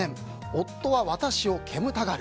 夫は私を煙たがる。